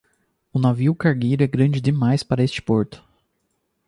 O navio cargueiro é grande demais para este porto.